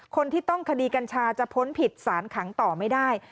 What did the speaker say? คนที่ต้องคดีกัญชาจะพ้นผิดสารขังต่อไม่ได้